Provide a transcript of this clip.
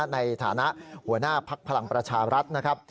ในฐานะหัวหน้าภักดิ์พลังประชารัฐนะครับ